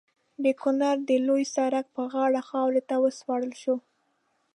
د کونړ د لوی سړک پر غاړه خاورو ته وسپارل شو.